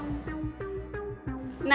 kita bisa berkumpul dengan mereka